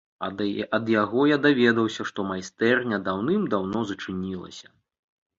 Ад яго я даведаўся, што майстэрня даўным-даўно зачынілася.